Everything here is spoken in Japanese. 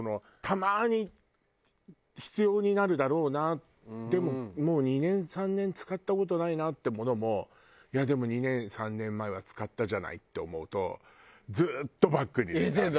たまに必要になるだろうなでももう２年３年使った事ないなってものもいやでも２年３年前は使ったじゃないって思うとずっとバッグに入れてある。